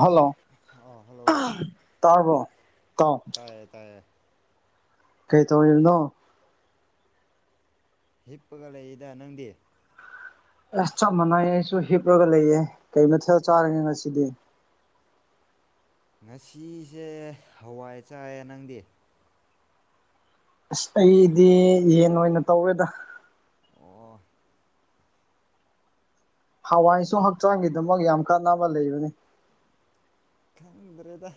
Hello ꯑꯥ hello ꯇꯔꯕꯣ ꯇꯥꯎ ꯇꯥꯏꯌꯦ ꯇꯥꯏꯌꯦ ꯀꯩ ꯇꯧꯉꯤꯅꯣ ꯍꯤꯞꯄꯒ ꯂꯩꯔꯤꯗ ꯅꯪꯗꯤ ꯑꯁ ꯆꯞ ꯃꯥꯟꯅꯩ ꯑꯩꯁꯨ ꯍꯤꯞꯂꯒ ꯂꯩꯌꯦ ꯀꯩ ꯃꯊ ꯆꯥꯔꯒꯦ ꯉꯁꯤꯗꯤ ꯉꯁꯤꯁꯦ ꯍꯋꯥꯏ ꯆꯥꯏꯌꯦ ꯅꯪꯗꯤ ꯑꯁ ꯑꯩꯗꯤ ꯌꯦꯟ ꯑꯣꯏꯅ ꯇꯧꯋꯦꯗ ꯑꯣ ꯍꯋꯥꯏꯁꯨ ꯍꯛꯆꯥꯡꯒꯤꯗꯃꯛ ꯌꯥꯝ ꯀꯥꯟꯅꯕ ꯂꯩꯕꯅꯤ ꯈꯪꯗ꯭ꯔꯦꯗ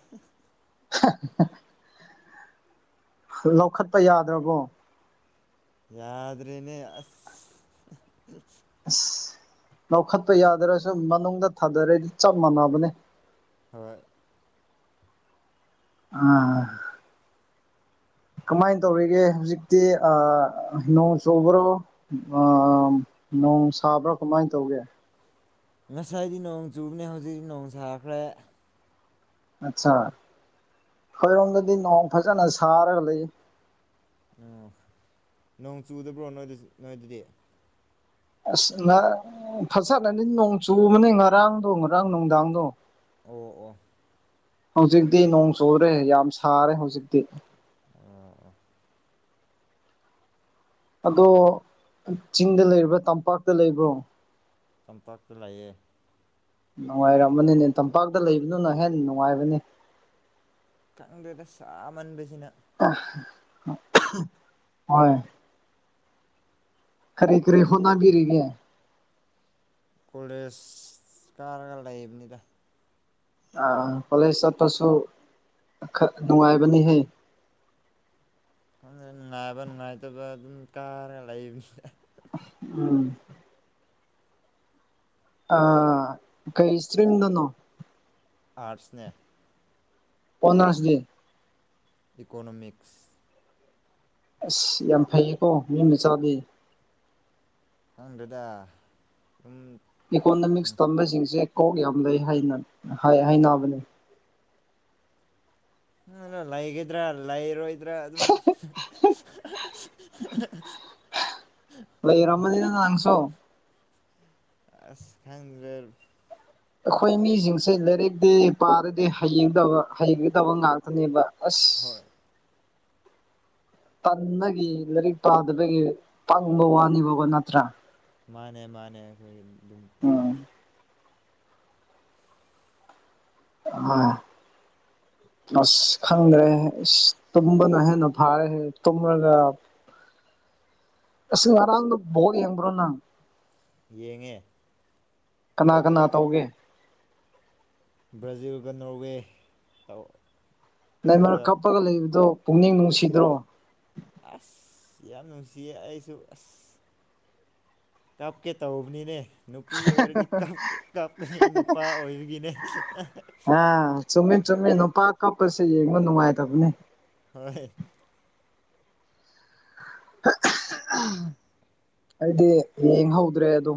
ꯂꯧꯈꯠꯄ ꯌꯥꯗ꯭ꯔꯕꯣ ꯌꯥꯗ꯭ꯔꯅꯦ ꯑꯁ ꯑꯁ ꯂꯧꯈꯠꯄ ꯌꯥꯗ꯭ꯔꯁꯨ ꯃꯅꯨꯡꯗ ꯊꯥꯗꯔꯗꯤ ꯆꯞ ꯃꯥꯟꯅꯕꯅꯦ ꯍꯣꯏ ꯑꯥ ꯀꯃꯥꯏꯅ ꯇꯧꯔꯤꯒꯦ ꯍꯧꯖꯤꯛꯇꯤ ꯑꯥ ꯅꯣꯡ ꯆꯨꯕꯔꯣ ꯅꯣꯡ ꯁꯥꯕ꯭ꯔꯥ ꯀꯃꯥꯏꯅ ꯇꯧꯒꯦ ꯉꯁꯥꯏꯗꯤ ꯅꯣꯡ ꯆꯨꯕꯅꯦ ꯍꯧꯖꯤꯛ ꯅꯣꯡ ꯁꯥꯈ꯭ꯔꯦ ꯑꯠꯁꯥ ꯑꯩꯈꯣꯏꯔꯣꯝꯗꯗꯤ ꯅꯣꯡ ꯐꯖꯅ ꯁꯥꯔꯒ ꯂꯩ ꯑꯥ ꯅꯣꯡ ꯆꯨꯗꯕ꯭ꯔꯣ ꯅꯣꯏꯗꯁꯨ ꯅꯣꯏꯗꯗꯤ ꯑꯁ ꯉ ꯐꯁꯠꯅꯅꯤ ꯅꯣꯡ ꯆꯨꯕꯅꯤ ꯉꯔꯥꯡꯗꯣ ꯉꯔꯥꯡ ꯅꯨꯡꯗꯥꯡꯗꯣ ꯑꯣ ꯑꯣ ꯍꯧꯖꯤꯛꯇꯤ ꯅꯣꯡ ꯆꯨꯔꯦ ꯌꯥꯝ ꯁꯥꯔꯦ ꯍꯧꯖꯤꯛꯇꯤ ꯑꯣ ꯑꯣ ꯑꯗꯣ ꯆꯤꯡꯗ ꯂꯩꯕ꯭ꯔꯥ ꯇꯝꯄꯥꯛꯇ ꯂꯩꯕ꯭ꯔꯣ ꯇꯝꯄꯥꯛꯇ ꯂꯩꯌꯦ ꯅꯨꯡꯉꯥꯏꯔꯝꯃꯅꯤꯅꯦ ꯇꯝꯄꯥꯛꯇ ꯂꯩꯕ ꯅꯪꯅ ꯍꯦꯟꯅ ꯅꯨꯡꯉꯥꯏꯕꯅꯤ ꯈꯪꯗꯦꯗ ꯁꯃꯟꯕꯥ ꯍꯣꯏ ꯀꯔꯤ ꯀꯔꯤ ꯍꯣꯠꯅꯥꯕꯤꯔꯤꯒꯦ ꯀꯣꯂꯦꯖ ꯀꯥꯔ ꯂꯩꯕꯅꯤꯗ ꯀꯣꯂꯦꯖ ꯆꯠꯄꯁꯨ ꯅꯨꯡꯉꯥꯏꯕꯅꯤꯍꯦ [inaudible] ꯈꯪꯗꯦ ꯅꯨꯡꯉꯥꯏꯕ ꯅꯨꯡꯉꯥꯏꯇꯕ ꯑꯗꯨꯝ ꯀꯥꯔꯒ ꯂꯩ ꯃꯤꯅꯦ ꯎꯝ ꯑ ꯀꯩꯁꯇ꯭ꯔꯤꯝ ꯗꯅꯣ ꯑꯥꯔꯠꯁꯅꯦ ꯄꯟꯅꯥꯁꯗꯤ ꯏꯀꯣꯅꯣꯃꯤꯛꯁ ꯑꯁ ꯌꯥꯝ ꯐꯩꯌꯦꯀꯣ ꯌꯨꯝꯗ ꯆꯥꯗꯦ ꯈꯪꯗꯦꯗꯥ ꯏꯀꯣꯅꯣꯃꯤꯛꯁ ꯇꯝꯕꯁꯤꯡꯁꯦ ꯀꯣꯛ ꯌꯥꯝ ꯂꯩ ꯍꯥꯏꯅ ꯍꯥꯏꯅꯕꯅꯤ ꯑꯅ ꯂꯩꯒꯗ꯭ꯔꯥ ꯂꯩꯔꯣꯏꯗ꯭ꯔꯥ ꯑꯗꯨꯝ [inaudible] ꯂꯩꯔꯝꯃꯅꯤꯅ ꯅꯡꯁꯨ ꯑꯁ ꯈꯪꯖꯔ ꯑꯩꯈꯣꯏ ꯃꯤꯁꯤꯡꯁꯦ ꯂꯥꯏꯔꯤꯛꯇꯤ ꯄꯥꯔꯗꯤ ꯍꯌꯦꯡꯗꯕ ꯍꯩꯒꯗꯕ ꯉꯥꯛꯇꯅꯦꯕ ꯑꯁ ꯍꯣꯏ ꯇꯟꯕꯒꯤ ꯂꯥꯏꯔꯤꯛ ꯄꯥꯗꯕꯒꯤ ꯄꯪꯕ ꯋꯥꯅꯤꯕꯀꯣ ꯅꯠꯇ꯭ꯔꯥ ꯃꯥꯅꯦ ꯃꯥꯅꯦ ꯑꯩꯈꯣꯏꯒꯤ ꯑꯝ ꯑꯥ ꯑꯁ ꯈꯪꯗ꯭ꯔꯦ ꯑꯁ ꯇꯨꯝꯕꯅ ꯍꯦꯟꯅ ꯐꯥꯔꯦ ꯇꯨꯝꯂꯒ ꯑꯁ ꯉꯥꯔꯥꯡꯗꯣ ꯕꯣꯜ ꯌꯦꯡꯕ꯭ꯔꯣ ꯅꯪ ꯌꯦꯡꯉꯦ ꯀꯅꯥ ꯀꯅꯥ ꯇꯧꯒꯦ ꯕ꯭ꯔꯥꯖꯤꯜꯒ ꯅꯣꯔꯋꯦ ꯇꯧ ꯅꯦꯃꯥꯔ ꯑꯗꯨꯗ ꯀꯞꯄꯒ ꯂꯩꯕꯗꯣ ꯄꯨꯛꯅꯤꯡ ꯅꯨꯡꯁꯤꯗ꯭ꯔꯣ ꯑꯁ ꯌꯥꯝ ꯅꯨꯡꯁꯤꯌꯦ ꯑꯩꯁꯨ ꯑꯁ ꯀꯞ ꯀꯦ ꯇꯧꯕꯅꯤꯅꯦ ꯅꯨꯄꯤ ꯑꯣꯏꯔꯗꯤ ꯀꯞ ꯀꯞꯀꯥꯅꯤ ꯅꯨꯄꯥ ꯑꯣꯏꯕꯒꯤꯅꯦ ꯆꯨꯝꯃꯤ ꯆꯨꯝꯃꯤ ꯅꯨꯄꯥ ꯀꯞꯄꯁꯦ ꯌꯦꯡꯕ ꯅꯨꯡꯉꯥꯏꯇꯕꯅꯦ ꯍꯣꯏ ꯑꯩꯗꯤ ꯌꯦꯡꯍꯧꯗ꯭ꯔꯦ ꯑꯗꯣ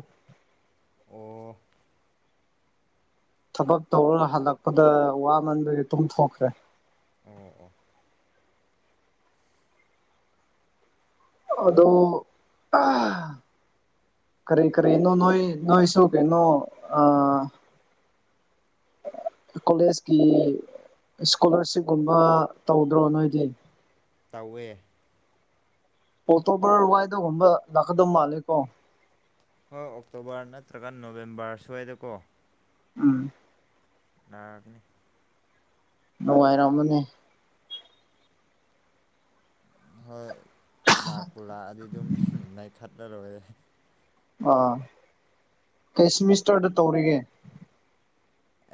ꯑꯣ꯫ ꯊꯕꯛ ꯇꯧꯔ ꯍꯜꯂꯛꯄꯗ ꯋꯥꯃꯟꯕꯒꯤ ꯇꯨꯝꯊꯣꯛꯈ꯭ꯔꯦ ꯑꯣ ꯑꯣ ꯑꯗꯣ ꯀꯔꯤ ꯀꯔꯤꯅꯣ ꯅꯣꯏ ꯅꯣꯏꯁꯨ ꯀꯩꯅꯣ ꯑꯥ [unintelligible] ꯀꯣꯂꯦꯖꯀꯤ ꯏꯁꯀꯣꯂꯥꯔꯁꯤꯞꯀꯨꯝꯕ ꯇꯧꯗ꯭ꯔꯣ ꯅꯣꯏꯗꯤ꯫ ꯇꯧꯋꯦ ꯑꯣꯛꯇꯣꯕꯔ ꯋꯥꯏꯗꯒꯨꯝꯕ ꯂꯥꯛꯀꯗꯕ ꯃꯥꯜꯂꯦꯀꯣ ꯍꯣꯏ ꯑꯣꯛꯇꯣꯕꯔ ꯅꯠꯇ꯭ꯔꯒ ꯅꯣꯕꯦꯝꯕꯔ ꯁ꯭ꯋꯥꯏꯗꯀꯣ ꯎꯝ ꯂꯒꯅꯤ ꯅꯨꯡꯉꯥꯏꯔꯝꯃꯅꯤ ꯍꯣꯏ ꯂꯥꯛꯄꯨ ꯂꯥꯛꯑꯗꯤ ꯑꯗꯨꯝ ꯅꯩꯈꯠꯂꯔꯣꯏꯂꯦ ꯑꯥ ꯀꯩ ꯁꯤꯃꯤꯁꯇꯔꯗ ꯇꯧꯔꯤꯒꯦ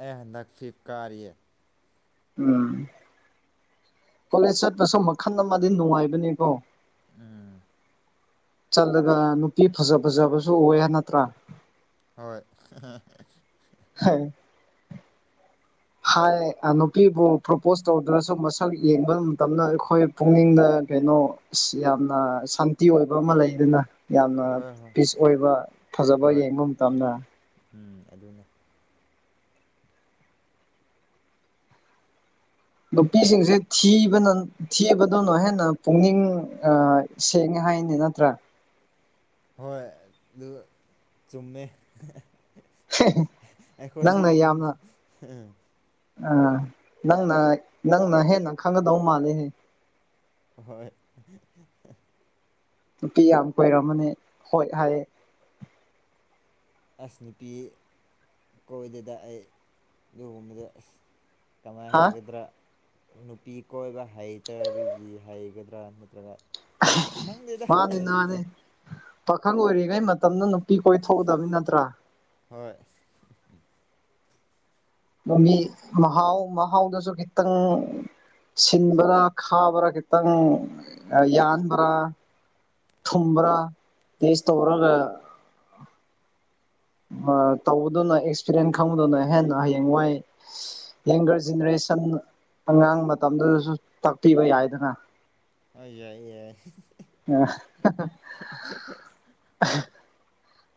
ꯑꯩ ꯍꯟꯗꯛ ꯐꯤꯞ ꯀꯥꯔꯤꯌꯦ ꯎꯝ ꯀꯣꯂꯦꯖ ꯆꯠꯄꯁꯨ ꯃꯈꯜ ꯑꯃꯗꯤ ꯅꯨꯡꯉꯥꯏꯕꯅꯤꯀꯣ ꯎꯝ ꯆꯠꯂꯒ ꯅꯨꯄꯤ ꯐꯖ ꯐꯖꯕꯁꯨ ꯑꯨꯌꯦ ꯅꯠꯇ꯭ꯔꯥ ꯍꯣꯏ [unintelligible] ꯍꯥꯏ ꯅꯨꯄꯤꯕꯨ ꯄ꯭ꯔꯣꯄꯣꯁ ꯇꯧꯗ꯭ꯔꯁꯨ ꯃꯁꯛ ꯌꯦꯡꯕ ꯃꯇꯝꯗ ꯑꯩꯈꯣꯏ ꯄꯨꯛꯅꯤꯡꯗ ꯀꯩꯅꯣ ꯑꯁ ꯌꯥꯝꯅ ꯁꯥꯟꯇꯤ ꯑꯣꯏꯕ ꯑꯃ ꯂꯩ ꯗꯨꯅ ꯌꯥꯝꯅ ꯍꯣꯏ ꯍꯣꯏ ꯄꯤꯁ ꯑꯣꯏꯕ ꯐꯖꯕ ꯍꯣꯏ ꯌꯦꯡꯕ ꯃꯇꯝꯗ ꯎꯝ ꯑꯗꯨꯅꯤ ꯅꯨꯄꯤꯁꯤꯡꯁꯦ ꯊꯤꯕꯅ ꯊꯤꯕꯗꯨꯅ ꯍꯦꯟꯅ ꯄꯨꯛꯅꯤꯡ ꯁꯦꯡꯉꯦ ꯍꯥꯏꯅꯤ ꯅꯠꯇ꯭ꯔꯥ ꯍꯣꯏ ꯑꯗꯨ ꯆꯨꯝꯃꯦ ꯑꯩꯈꯣꯏꯁꯨ ꯑꯗꯨꯝ ꯑꯥ ꯅꯪꯅ ꯅꯪꯅ ꯍꯦꯟꯅ ꯈꯪꯒꯗꯧ ꯃꯥꯜꯂꯦꯍꯦ ꯍꯣꯏ ꯅꯨꯄꯤ ꯌꯥꯝ ꯀꯣꯏꯔꯝꯃꯅꯤ ꯍꯣꯏ ꯍꯥꯏꯌꯦ ꯑꯁ ꯅꯨꯄꯤ ꯀꯣꯏꯗꯦꯗ ꯑꯩ ꯑꯗꯨꯒꯨꯝꯕꯗ ꯑꯁ ꯀꯃꯥꯏꯅ ꯍꯥ ꯍꯥꯏꯒꯗ꯭ꯔꯥ ꯅꯨꯄꯤ ꯀꯣꯏꯕ ꯍꯩꯇꯕꯒꯤ ꯍꯩꯒꯗ꯭ꯔꯥ ꯅꯠꯇ꯭ꯔꯒ ꯈꯪꯗꯦꯗ ꯅꯅꯦ ꯅꯅꯦ ꯄꯥꯈꯪ ꯑꯣꯏꯔꯤꯉꯩ ꯃꯇꯝꯗ ꯅꯨꯄꯤ ꯀꯣꯏꯊꯣꯛꯑꯧꯒꯗꯕꯅꯤ ꯅꯠꯇ꯭ꯔꯥ ꯍꯣꯏ ꯃꯤ ꯃꯍꯥꯎ ꯃꯍꯥꯎꯗꯁꯨ ꯈꯤꯇꯪ ꯁꯤꯟꯕꯔꯥ ꯈꯥꯕ꯭ꯔꯥ ꯈꯤꯇꯪ ꯌꯥꯟꯕ꯭ꯔꯥ ꯊꯨꯝꯕ꯭ꯔꯥ ꯇꯦꯁ ꯇꯧꯔꯒ ꯇꯧꯕꯗꯨꯅ ꯑꯦꯛꯁꯄꯤꯔꯤꯌꯦꯟꯁ ꯈꯪꯕꯗꯨꯅ ꯍꯦꯟꯅ ꯍꯌꯦꯡ ꯋꯥꯏ ꯌꯪꯒꯔ ꯖꯅꯦꯔꯦꯁꯟ ꯑꯉꯥꯡ ꯃꯇꯝꯗꯨꯗꯁꯨ ꯇꯥꯛꯄꯤꯕ ꯌꯥꯏꯗꯅ ꯑ ꯌꯥꯏ ꯌꯥꯏ ꯑꯥ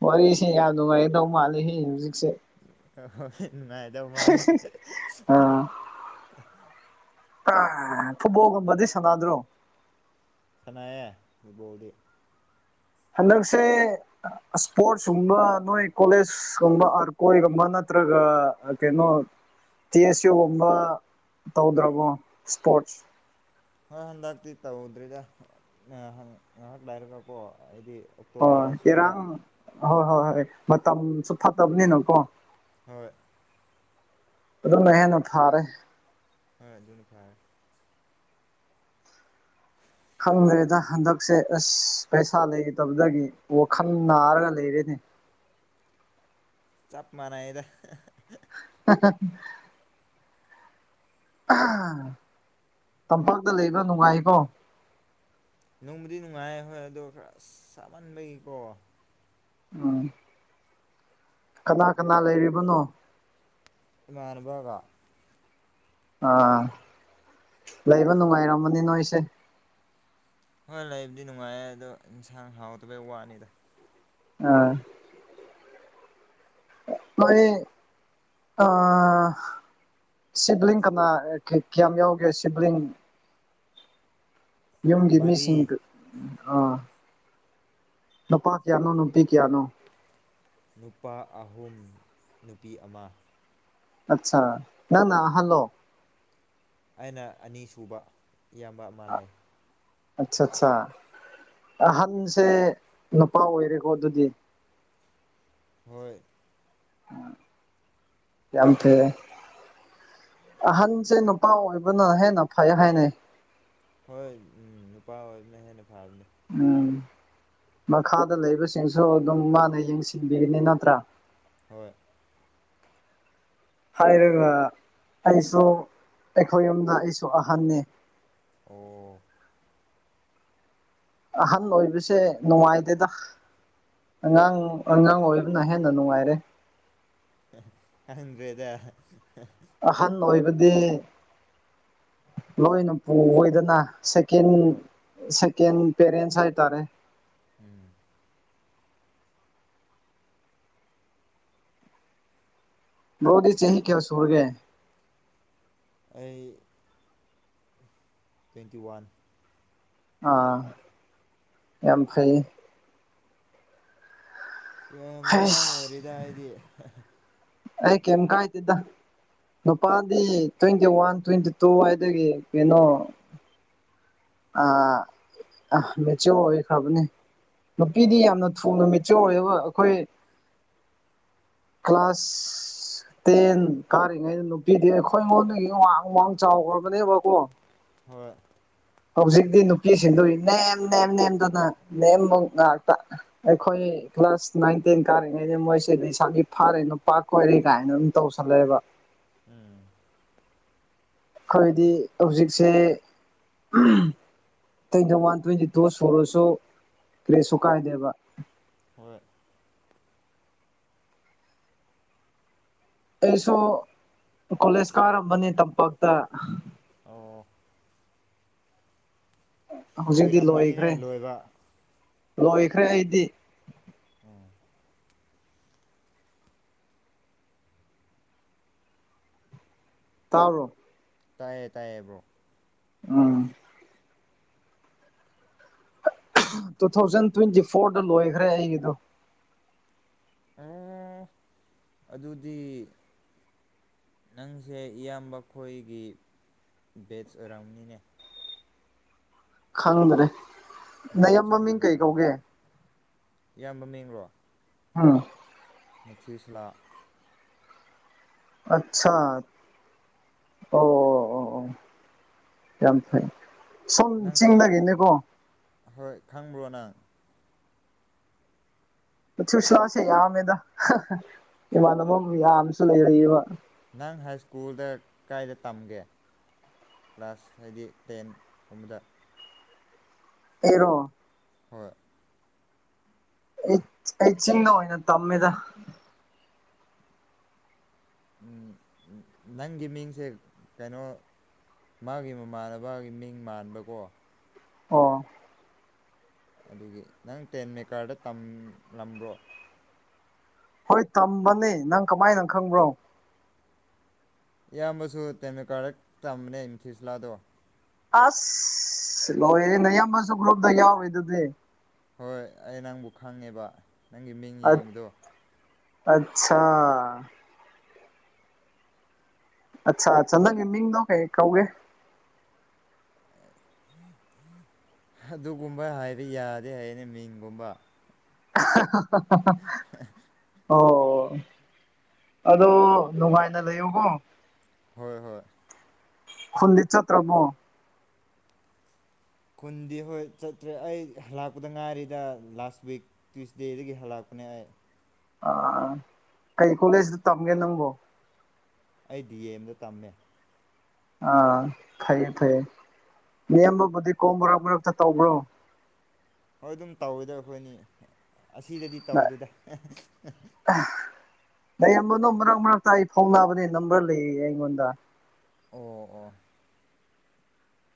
ꯋꯥꯔꯤꯁꯦ ꯌꯥꯝ ꯅꯨꯡꯉꯥꯏꯗꯧ ꯃꯥꯂꯦ ꯍꯧꯖꯤꯛ ꯑꯥ ꯅꯨꯉꯥꯏꯗꯧ ꯃꯂꯦ ꯑ ꯐꯨꯕꯣꯜꯒꯨꯝꯕꯗꯤ ꯁꯥꯅꯗ꯭ꯔꯣ꯫ ꯁꯅꯥꯌꯦ ꯐꯨꯠꯕꯣꯜꯗꯤ꯫ ꯍꯟꯗꯛꯁꯦ ꯏꯁꯄꯣꯔꯠꯁꯀꯨꯝꯕ ꯅꯣꯏ ꯀꯣꯂꯦꯖꯀꯨꯝꯕ ꯑꯔꯀꯣꯏꯒꯨꯝꯕ꯫ ꯄ꯭ꯔꯒ ꯀꯩꯅꯣ꯫ ꯇꯤ ꯑꯦꯁ ꯌꯨꯒꯨꯝꯕ ꯇꯧꯗ꯭ꯔꯕꯣ ꯏꯁꯄꯣꯔꯠꯁ ꯍꯣꯏ ꯍꯟꯗꯛꯇꯤ ꯇꯧꯗ꯭ꯔꯤꯗ ꯉ ꯉꯥꯏꯍꯥꯛ ꯂꯥꯏꯔꯒꯀꯣ ꯑꯩꯗꯤ ꯍꯣꯏ ꯑꯣꯛꯇꯣꯕꯔ ꯁ꯭ꯋꯥꯏꯗ ꯏꯔꯥꯡ ꯍꯣꯏ ꯍꯣꯏ ꯍꯣꯏ ꯃꯇꯝ ꯁꯨ ꯊꯠꯇꯕꯅꯤꯅꯀꯣ ꯍꯣꯏ ꯑꯗꯨꯅ ꯍꯦꯟꯅꯥ ꯐꯥꯔꯦ ꯍꯣꯏ ꯑꯗꯨꯅ ꯐꯔꯦ ꯈꯪꯗ꯭ꯔꯦꯗ ꯍꯟꯗꯛꯁꯦ ꯑꯁ ꯄꯩꯁꯥ ꯂꯩꯗꯕꯗꯒꯤ ꯋꯥꯈꯜ ꯅꯥꯔꯒ ꯂꯩꯔꯦꯅꯦ [inaudible] ꯆꯞ ꯃꯥꯟꯅꯩꯗ [inaudible] ꯇꯝꯄꯥꯛꯇ ꯂꯩꯕ ꯅꯨꯡꯉꯥꯏꯀꯣ ꯅꯨꯡꯕꯨꯗꯤ ꯅꯨꯡꯉꯥꯏ ꯍꯣꯏ ꯑꯗꯣ ꯈꯔ ꯁꯥꯃꯟꯕꯒꯤꯀꯣ ꯑ ꯀꯅꯥ ꯀꯅꯥ ꯂꯩꯔꯤꯕꯅꯣ ꯏꯃꯥꯥꯟꯅꯥꯕꯥꯒꯥ ꯑꯥ ꯂꯩꯕ ꯅꯨꯡꯉꯥꯏꯔꯝꯃꯥꯅꯤ ꯅꯣꯏꯁꯦ ꯍꯣꯏ ꯂꯩꯕꯨꯗꯤ ꯅꯨꯡꯉꯥꯏ ꯑꯗꯣ ꯏꯟꯁꯥꯡ ꯍꯥꯎꯗꯕꯩ ꯋꯥꯅꯤꯗ ꯑꯥ ꯅꯣꯏ ꯑꯥ ꯁꯤꯕꯂꯤꯡ ꯀꯅꯥ ꯀꯌꯥꯝ ꯌꯥꯎꯒꯦ ꯁꯤꯕꯂꯤꯡ ꯌꯨꯝꯒꯤ ꯃꯔꯤ ꯃꯤꯁꯤꯡ ꯒ ꯑ ꯅꯨꯄꯥ ꯀꯌꯥꯅꯣ ꯅꯨꯄꯤ ꯀꯌꯥꯅꯣ ꯅꯨꯄꯥ ꯑꯍꯨꯝ ꯅꯨꯄꯤ ꯑꯃ ꯑꯆꯥ ꯅꯪꯅ ꯑꯍꯟ ꯂꯣ ꯑꯩꯅ ꯑꯅꯤ ꯁꯨꯕ ꯏꯌꯥꯝꯕ ꯑꯃꯥ ꯂꯩ ꯑꯠꯆꯥ ꯑꯠꯆꯥ ꯑꯍꯟꯁꯦ ꯅꯨꯄꯥ ꯑꯣꯏꯔꯦꯀꯣ ꯑꯗꯨꯗꯤ ꯍꯣꯏ ꯌꯥꯝ ꯊꯦꯡꯒꯦ ꯑꯍꯟꯁꯦ ꯅꯨꯄꯥ ꯑꯣꯏꯕꯅ ꯍꯦꯟꯅ ꯐꯩ ꯍꯥꯏꯅꯩ ꯍꯣꯏ ꯎꯝ ꯅꯨꯄꯥ ꯑꯣꯏꯕꯅꯥ ꯍꯦꯟꯅ ꯐꯕꯅꯤ ꯎꯝ ꯃꯈꯥꯗ ꯂꯩꯕꯁꯤꯡꯁꯨ ꯑꯗꯨꯝ ꯃꯥꯅ ꯌꯦꯡꯁꯤꯟꯕꯤꯒꯅꯤ ꯅꯠꯇ꯭ꯔꯥ ꯍꯣꯏ ꯍꯥꯏꯔꯒ ꯑꯩꯁꯨ ꯑꯩꯈꯣꯏ ꯌꯨꯝꯗ ꯑꯩꯁꯨ ꯑꯍꯟꯅꯦ ꯑꯣ ꯑꯍꯟ ꯑꯣꯏꯕꯁꯦ ꯅꯨꯡꯉꯥꯏꯇꯦꯗ ꯑꯉꯥꯡ ꯑꯉꯥꯡ ꯑꯣꯏꯕꯅ ꯍꯦꯟꯅ ꯅꯨꯡꯉꯥꯏꯔꯦ ꯈꯪꯗꯔ꯭ꯦꯗꯥ ꯑꯍꯟ ꯑꯣꯏꯕꯗꯤ ꯂꯣꯏꯅ ꯄꯨꯑꯣꯏꯗꯅ ꯍꯣꯏ ꯁꯦꯀꯦꯟꯗ ꯁꯦꯀꯦꯟ ꯄꯦꯔꯦꯟꯁ ꯍꯥꯏꯇꯥꯔꯦ ꯎꯝ ꯕꯔꯣꯗꯤ ꯆ ꯆꯍꯤ ꯀꯌꯥ ꯁꯨꯔꯒ ꯑꯩ ꯇ꯭ꯋꯦꯟꯇꯤ ꯋꯥꯟ ꯑꯥ ꯌꯥꯝ ꯐꯩꯇꯦ꯫ ꯌꯥꯝ ꯑꯉꯥꯡ ꯑꯣꯏꯔꯤꯗ ꯑꯩꯗꯤ ꯑꯩ ꯀꯦꯝ ꯀꯥꯏ ꯗꯦꯇꯥ ꯅꯨꯄꯥꯗꯤ ꯇ꯭ꯋꯦꯟꯇꯤ ꯋꯥꯟ ꯇ꯭ꯋꯦꯟꯇꯤ ꯇꯨ ꯍꯥꯏꯗꯒꯤ ꯀꯩꯅꯣ ꯑ ꯃꯦꯆꯌ‌ꯣꯔ ꯑꯣꯏꯈ꯭ꯔꯕꯅꯦ ꯅꯨꯄꯤꯗꯤ ꯍꯣꯏ ꯌꯥꯝꯅ ꯊꯨ ꯅꯃꯤꯠ ꯆꯧꯕ ꯑꯩꯈꯣꯏ ꯀ꯭ꯂꯥꯁ ꯇꯦꯟ ꯀꯥꯔꯤꯉꯩꯗ ꯅꯨꯄꯤꯗꯤ ꯑꯩꯈꯣꯏ ꯑꯩꯉꯣꯟꯗꯒꯤ ꯋꯥꯡ ꯋꯥꯡ ꯆꯥꯎꯈ꯭ꯔꯕꯅꯦꯕꯀꯣ ꯍꯣꯏ ꯍꯧꯖꯤꯛꯇꯤ ꯅꯨꯄꯤꯁꯤꯡꯗꯨ ꯅꯦꯝ ꯅꯦꯝ ꯅꯦꯝꯗꯅ ꯅꯦꯝꯃꯨꯛ ꯉꯥꯛꯇ ꯑꯩꯈꯣꯏ ꯀ꯭ꯂꯥꯁ ꯅꯥꯏꯟ ꯇꯦꯟ ꯀꯥꯔꯤꯉꯩꯗ ꯃꯣꯏꯁꯦ ꯂꯩꯁꯥꯕꯤ ꯐꯥꯔꯦ ꯅꯨꯄꯥ ꯀ‌ꯣꯏꯔꯦ ꯀꯥꯏꯅ ꯑꯗꯨꯝ ꯇꯧꯁꯜꯂꯛꯦꯕ ꯎꯝ ꯑꯈ‌ꯣꯏꯗꯤ ꯍꯧꯖꯤꯛꯁꯦ ꯑꯇꯩꯗ ꯋꯥꯟ ꯇ꯭ꯋꯦꯟꯇꯤ ꯇꯨ ꯁꯨꯔꯁꯨ ꯀ꯭ꯔꯦꯁꯨ ꯀꯥꯏꯗꯦꯕ ꯍꯣꯏ ꯑꯩꯁꯨ ꯀꯣꯂꯦꯖ ꯀꯥꯔꯝꯕꯅꯤ ꯇꯝꯄꯥꯛꯇ ꯑꯧ ꯍꯧꯖꯤꯛꯇꯤ ꯀꯨꯏꯔꯝꯃꯅꯤꯅꯦ ꯂꯣꯏꯈ꯭ꯔꯦ ꯂꯣꯏꯕ ꯂꯣꯏꯈ꯭ꯔꯦ ꯑꯩꯗꯤ ꯎꯝ ꯇꯥꯕ꯭ꯔꯣ ꯇꯥꯏꯌꯦ ꯇꯌꯦ ꯕ꯭ꯔꯣ ꯑꯥ ꯇꯨ ꯊꯥꯎꯖꯟ ꯇ꯭ꯋꯦꯟꯇꯤ ꯐꯣꯔꯗ ꯂꯣꯏꯈ꯭ꯔꯦ ꯑꯩꯒꯤꯗꯣ ꯑ‌ꯣ ꯑꯗꯨꯗꯤ ꯅꯪꯁꯦ ꯏꯌꯥꯝꯕ ꯈꯣꯏꯒꯤ ꯕꯦꯁ ꯑꯦꯔꯥꯝꯒꯅꯤꯅꯦ ꯈꯪꯗ꯭ꯔꯦ ꯃꯣꯏꯒ ꯅꯌꯥꯝꯕ ꯆꯞ ꯃꯤꯡ ꯀꯩ ꯃꯥꯟꯅꯔ ꯀꯧꯒꯦ ꯏꯌꯥꯝꯕ ꯃꯤꯡꯂꯣ ꯎꯝ ꯊꯤꯁꯂꯥ ꯑꯠꯁꯥ ꯑꯣ ꯑꯣ ꯑꯣ ꯌꯥꯝ ꯐꯩ ꯁꯣꯝ ꯅꯪ ꯆꯤꯡꯗꯒꯦꯅꯦ ꯀꯣ ꯍꯣꯏ ꯈꯪꯕ꯭ꯔꯣ ꯅꯪ ꯨ [unintelligible] ꯌꯥꯝꯃꯦꯗ ꯏꯃꯥꯟꯅꯕ ꯃꯌꯥꯝꯁꯨ ꯂꯩꯔꯏꯕ ꯅꯪ ꯍꯥꯏ ꯁ꯭ꯀꯨꯜꯗ ꯀꯥꯏꯗ ꯇꯝꯒꯦ ꯀ꯭ꯂꯥꯁ ꯍꯥꯏꯗꯤ ꯇꯦꯟꯒꯨꯝꯕꯗ ꯑꯩꯔꯣ ꯍꯣꯏ ꯑꯩ ꯆꯤꯟꯗ ꯑꯣꯏꯅ ꯇꯝꯃꯤꯗ [inaudible] ꯅꯪꯒꯤ ꯃꯤꯡꯁꯦ ꯀꯩꯅꯣ ꯃꯥꯒꯤ ꯃꯃꯥꯟꯅꯕꯒꯤ ꯃꯤꯡ ꯃꯥꯟꯕꯀꯣ ꯑꯣ ꯑꯗꯨꯒꯤ ꯅꯪ ꯇꯦꯟ ꯃꯦꯀꯥꯔꯗ ꯇꯝꯂꯝꯕ꯭ꯔꯣ ꯍꯣꯏ ꯇꯝꯕꯅꯤ ꯅꯪ ꯀꯃꯥꯏꯅꯪ ꯈꯪꯕ꯭ꯔꯣ ꯏꯌꯥꯝꯕꯁꯨ ꯇꯦꯃꯦꯀꯥꯔ ꯇꯝꯕꯅ‌ꯦ ꯏꯝꯊꯁꯂꯥꯗꯣ ꯑꯁ ꯂ‌ꯣꯏꯔ‌ꯦ ꯅꯌꯥꯝꯕꯁꯨ ꯒꯔꯨꯞꯇ ꯌꯥꯎꯔꯤ ꯑꯗꯨꯗꯤ ꯍꯣꯏ ꯑꯩ ꯅꯪꯕꯨ ꯈꯪꯉꯦꯕ ꯅꯪꯒꯤ ꯃꯤꯡ ꯌꯦꯡꯕꯗꯣ ꯑꯠꯁꯥ ꯑꯁꯥ ꯑꯁꯥ ꯅꯪꯒꯤ ꯃꯤꯡꯗ‌ꯣ ꯀꯩ ꯀꯧꯏ ꯑꯗꯨꯒꯨꯝꯕ ꯍꯥꯏꯕ ꯌꯥꯗꯦ ꯍꯥꯏꯌꯦꯅꯦ ꯃꯤꯡꯒꯨꯝꯕ [inaudible] ꯑꯣ ꯑꯗꯣ ꯅꯨꯡꯉꯥꯏꯅ ꯂꯩꯌꯣꯀꯣ ꯍꯣꯏ ꯍꯣꯏ ꯍꯜꯂꯤ ꯆꯠꯇ꯭ꯔꯕꯨꯣ ꯈꯨꯟꯗꯤ ꯍꯣꯏ ꯆꯠꯇ꯭ꯔꯦ ꯑꯩ ꯍꯜꯂꯥꯛꯄꯗ ꯉꯥꯏꯔꯤꯗ ꯂꯥꯁ ꯋꯤꯛ ꯇ꯭ꯋꯏꯁꯗꯦꯗꯒꯤ ꯍꯜꯂꯄ ꯑ ꯀꯩ ꯀꯣꯂꯦꯖꯇ ꯇꯝꯒꯦ ꯅꯪꯕꯣ ꯑꯩ ꯗꯤ ꯑ ꯑꯦꯝꯗ ꯇꯝꯃꯦ ꯑꯥ ꯐꯌꯦ ꯐꯩꯌꯦ ꯅꯦꯝꯕꯕꯨꯗꯤ ꯀꯣꯝꯕ꯭ꯔꯥ ꯃꯔꯛꯇ ꯇꯧꯕ꯭ꯔꯣ ꯍꯣꯏ ꯑꯗꯨꯝ ꯇꯧꯋꯦꯗ ꯑꯩꯈꯣꯏꯅꯤ ꯑꯁꯤꯗꯗꯤ ꯇꯧꯗꯦꯗ ꯂꯩꯔꯝꯕꯅꯣ ꯃꯔꯛ ꯃꯔꯛꯇ ꯑꯩ ꯐꯥꯎꯅꯕꯅꯦ ꯅꯝꯕ꯭ꯔ ꯂꯩ ꯑꯩꯉꯣꯟꯗ ꯑꯣ ꯑꯣ